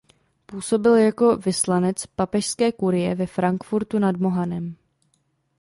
Působil jako vyslanec papežské kurie ve Frankfurtu nad Mohanem.